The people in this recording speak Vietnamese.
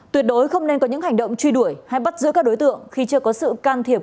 tuyệt đối không nên có những hành động truy đuổi hay bắt giữ các đối tượng khi chưa có sự can thiệp